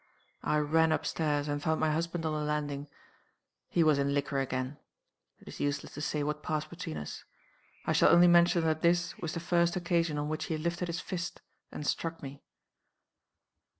I ran up stairs, and found my husband on the landing. He was in liquor again. It is useless to say what passed between us. I shall only mention that this was the first occasion on which he lifted his fist, and struck me."